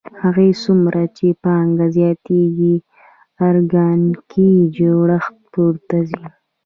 هر څومره چې پانګه زیاتېږي ارګانیکي جوړښت پورته ځي